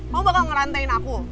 kamu bakal ngerantain aku